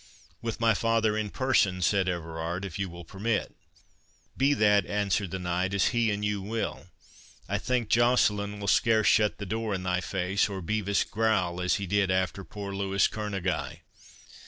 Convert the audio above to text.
"With my father in person," said Everard, "if you will permit." "Be that," answered the knight, "as he and you will—I think Joceline will scarce shut the door in thy face, or Bevis growl as he did after poor Louis Kerneguy.